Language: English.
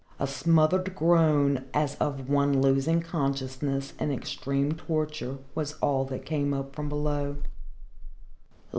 A smothered groan as of one losing consciousness in extreme torture was all that came up from below.